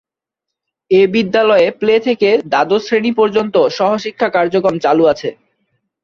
এ বিদ্যালয়টিতে প্লে থেকে দ্বাদশ শ্রেনি পর্যন্ত সহশিক্ষা কার্যক্রম চালু আছে।